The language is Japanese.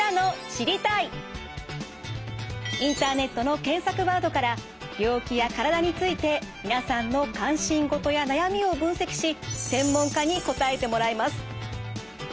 インターネットの検索ワードから病気や体について皆さんの関心事や悩みを分析し専門家に答えてもらいます。